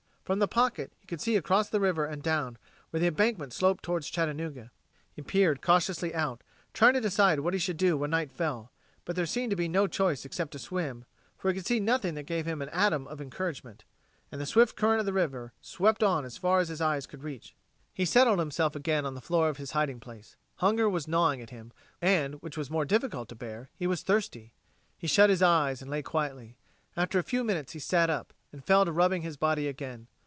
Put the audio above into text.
From the pocket, he could see across the river and down, where the embankment sloped towards Chattanooga. He peered cautiously out, trying to decide what he should do when night fell; but there seemed to be no choice except to swim, for he could see nothing that gave him an atom of encouragement. And the swift current of the river swept on as far as his eyes could reach. He settled himself again on the floor of his hiding place. Hunger was gnawing at him, and which was more difficult to bear, he was thirsty. He shut his eyes and lay quietly. After a few minutes he sat up, and fell to rubbing his body again.